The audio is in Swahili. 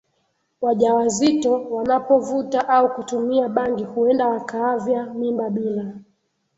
wajawazito wanapovuta au kutumia bangi huenda wakaavya mimba bila